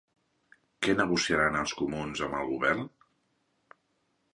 Què negociaran els comuns amb el govern?